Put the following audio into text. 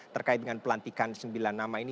terkait dengan pelantikan sembilan nama ini